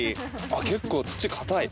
結構、土硬い。